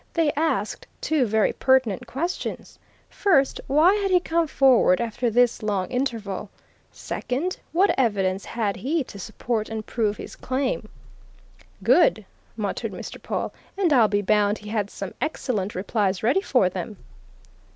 They asked two very pertinent questions. First why had he come forward after this long interval? Second what evidence had he to support and prove his claim?" "Good!" muttered Mr. Pawle. "And I'll be bound he had some excellent replies ready for them."